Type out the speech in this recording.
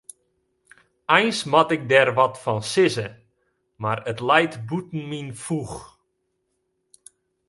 Eins moat ik der wat fan sizze, mar it leit bûten myn foech.